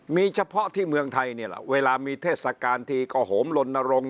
มีเฉพาะที่เมืองไทยเวลามีเทศกาลที่กระโหมลดนรงค์